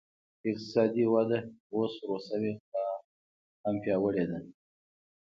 اقتصادي وده اوس ورو شوې خو لا هم پیاوړې ده.